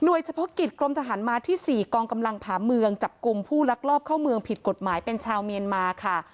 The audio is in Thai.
เฉพาะกิจกรมทหารมาที่๔กองกำลังผ่าเมืองจับกลุ่มผู้ลักลอบเข้าเมืองผิดกฎหมายเป็นชาวเมียนมาค่ะ